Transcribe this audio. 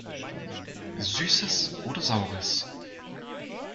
Süßes oder Saures!